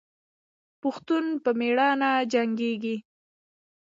پښتون په میړانه جنګیږي.